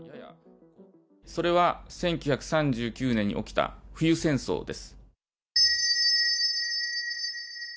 それは、１９３９年に起きた冬戦争です。